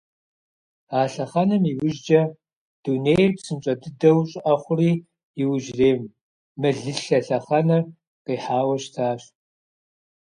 А лъэхъэнэм иужькӀэ дунейр псынщӀэ дыдэу щӀыӀэ хъури, иужьрей мылылъэ лъэхъэнэр къихьауэ щытащ.